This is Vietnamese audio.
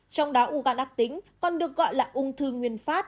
trong đó u gan ác tính còn được gọi là ung thư nguyên phát